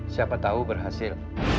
siapa tahu berhasil